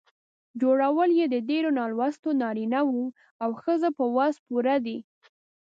جوړول یې د ډېرو نالوستو نارینه وو او ښځو په وس پوره دي.